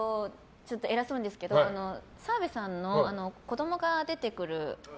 偉そうなんですけど澤部さんの子供が出てくる。